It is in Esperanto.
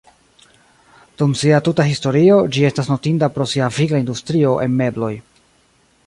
Dum sia tuta historio, ĝi estas notinda pro sia vigla industrio en mebloj.